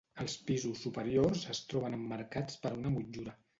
Els pisos superiors es troben emmarcats per una motllura.